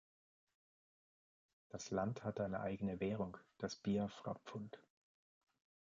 Das Land hatte eine eigene Währung, das Biafra-Pfund.